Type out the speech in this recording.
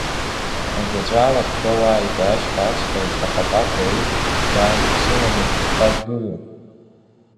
Агәаҵәа алахь шәоуааите, ашьха ацха ишахапапо еиԥш, шәадыԥсыланы шәышԥадгылоу.